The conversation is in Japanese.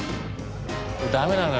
ダメなのよ